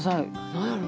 何やろ。